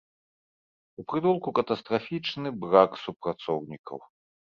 У прытулку катастрафічны брак супрацоўнікаў.